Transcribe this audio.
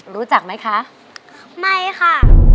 รู้จักไหมคะไม่ค่ะ